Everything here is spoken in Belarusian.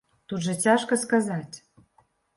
Тут жа цяжка сказаць.